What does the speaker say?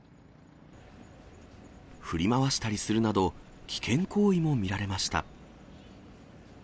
振り回したりするなど、危険行為も見られました。